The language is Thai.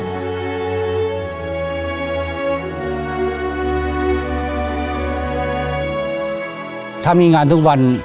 ก็ยังดีว่ามีคนมาดูแลน้องเติร์ดให้